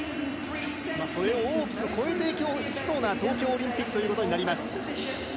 それを大きく超えていきそうな東京オリンピックということになります。